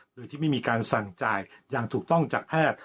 โดยที่ไม่มีการสั่งจ่ายอย่างถูกต้องจากแพทย์